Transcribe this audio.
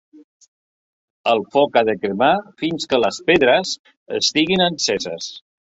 El foc ha de cremar fins que les pedres estiguin enceses.